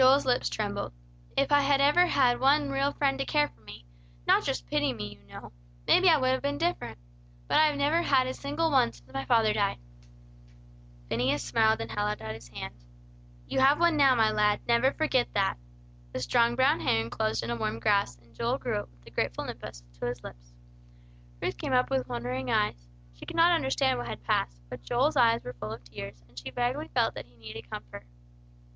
Joel's lips trembled. "If I had ever had one real friend to care for me not just pity me, you know maybe I would have been different. But I have never had a single one since my father died." Phineas smiled, and held out his hand. "You have one now, my lad, never forget that." The strong brown hand closed in a warm grasp, and Joel drew it, with a grateful impulse, to his lips. Ruth came up with wondering eyes. She could not understand what had passed; but Joel's eyes were full of tears, and she vaguely felt that he needed comfort.